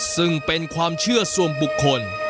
ซึ่งเป็นความเชื่อส่วนบุคคล